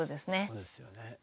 そうですよね。